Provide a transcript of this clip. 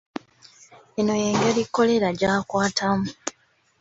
Eno y'engeri Kkolera gy'akwatamu.